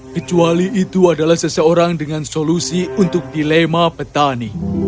kecuali itu adalah seseorang dengan solusi untuk dilema petani